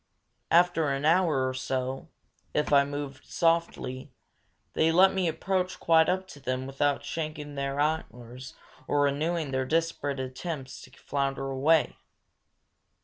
After an hour or so, if I moved softly, they let me approach quite up to them without shaking their antlers or renewing their desperate attempts to flounder away.